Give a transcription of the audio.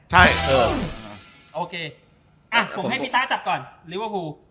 ผมให้พี่ต๊าจับก่อนลิเวอร์ฮู